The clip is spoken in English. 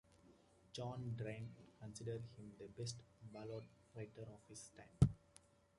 John Dryden considered him the best ballad writer of his time.